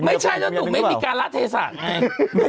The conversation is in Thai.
ไม่ใช่แล้วหนุ่มไม่มีการรักษาเทศะไง